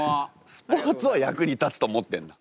スポーツは役に立つと思ってんだ？